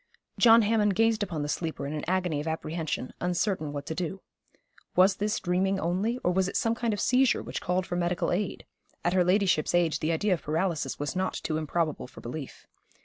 John Hammond gazed upon the sleeper in an agony of apprehension, uncertain what to do. Was this dreaming only; or was it some kind of seizure which called for medical aid? At her ladyship's age the idea of paralysis was not too improbable for belief.